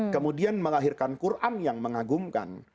kemudian melahirkan quran yang mengagumkan